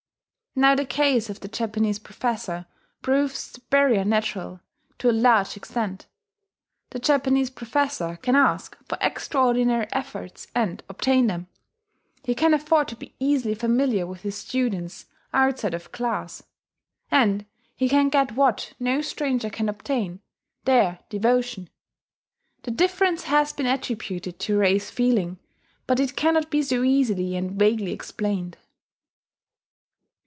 Now the case of the Japanese professor proves the barrier natural, to a large extent. The Japanese professor can ask for extraordinary efforts and, obtain them; he can afford to be easily familiar with his students outside of class; and he can get what no stranger can obtain, their devotion. The difference has been attributed to race feeling; but it cannot be so easily and vaguely explained.